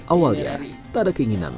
awalnya tak ada keinginan